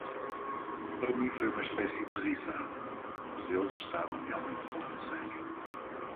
Para mim foi uma espécie de risada, mas eles estavam realmente falando sério.